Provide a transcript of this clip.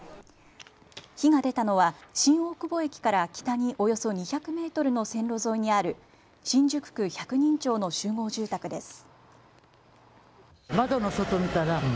火が出たのは新大久保駅から北におよそ２００メートルの線路沿いにある新宿区百人町の集合住宅です。